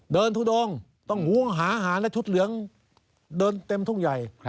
เดินทุดงต้องหูหาหาและชุดเหลืองเดินเต็มทุ่งใหญ่